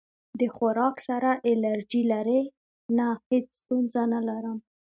د خوراک سره الرجی لرئ؟ نه، هیڅ ستونزه نه لرم